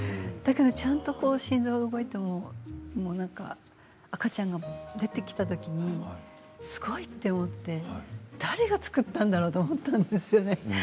ちゃんと心臓が動いていて赤ちゃんが出てきた時にすごいと思って誰が作ったんだろうと思ったんですよね。